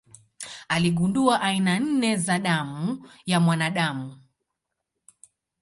Aligundua aina nne za damu ya mwanadamu.